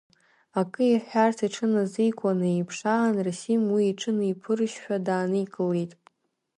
Акы иҳәарц иҽыназикуаны еиԥш аан, Расим уи иҽыниԥырыжьшәа дааникылеит…